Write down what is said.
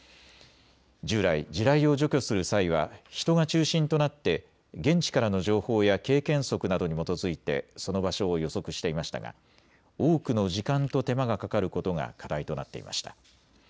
従来、地雷を除去する際は人が中心となって現地からの情報や経験則などに基づいてその場所を予測していましたが多くの時間と手間がかかることが課題となっていました。